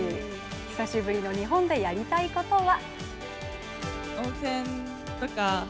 久しぶりの日本でやりたいことは？